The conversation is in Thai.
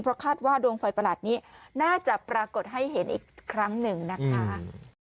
เพราะคาดว่าดวงไฟประหลาดนี้น่าจะปรากฏให้เห็นอีกครั้งหนึ่งนะคะ